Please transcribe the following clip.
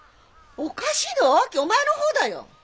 おかしいのはお秋お前のほうだよ！